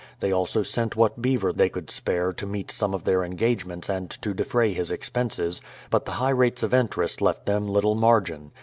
They also sent what beaver they could spare to meet some of their engagements and to defray his expenses; but the high rates of interest left them Httle margin.